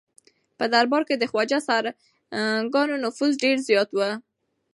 په دربار کې د خواجه سراګانو نفوذ ډېر زیات و.